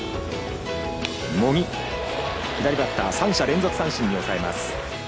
茂木、左バッター３者連続三振に抑えます。